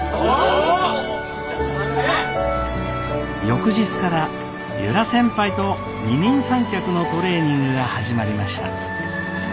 翌日から由良先輩と二人三脚のトレーニングが始まりました。